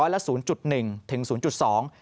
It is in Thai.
๑๐๐ละ๐๑ถึง๐๒